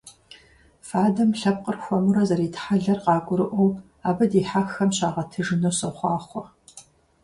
Фадэм лъэпкъыр хуэмурэ зэритхьэлэр къагурыӀуэу абы дихьэххэм щагъэтыжыну сохъуахъуэ!